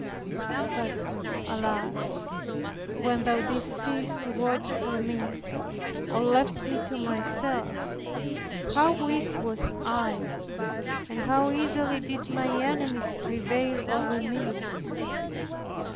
But alas! when Thou didst cease to watch for me, or left me to myself, how weak was I, and how easily did my enemies prevail over me!